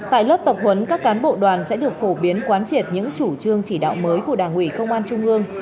tại lớp tập huấn các cán bộ đoàn sẽ được phổ biến quán triệt những chủ trương chỉ đạo mới của đảng ủy công an trung ương